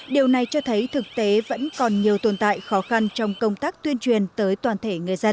điều này cho thấy thực tế vẫn còn nhiều tồn tại khó khăn trong công tác tuyên truyền tới toàn thể người dân